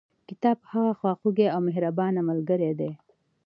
کتاب هغه خواخوږي او مهربانه ملګري دي.